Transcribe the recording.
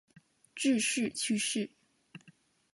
致仕去世。